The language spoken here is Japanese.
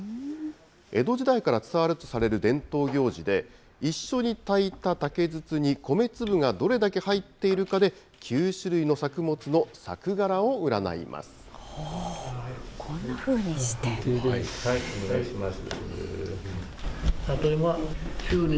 江戸時代から伝わるとされる伝統行事で、一緒に炊いた竹筒にコメ粒がどれだけ入っているかで、９種類の作こんなふうにして。